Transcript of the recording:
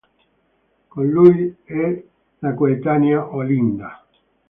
Con lui è la coetanea Olinda.